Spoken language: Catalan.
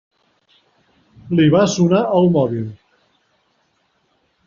Li va sonar el mòbil.